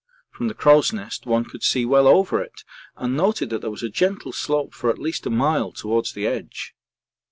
From the crow's nest one could see well over it, and noted that there was a gentle slope for at least a mile towards the edge.